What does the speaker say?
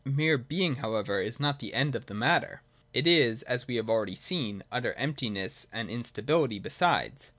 Mere being however is not the end of the matter :— it is, as we have already seen, utter emptiness and instability besides.